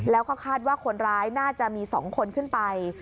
แล้วก็คาดว่าคนร้ายน่าจะมี๒คนขึ้นไป